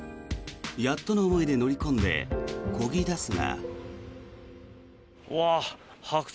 やっとの思いで乗り込んでこぎ出すが。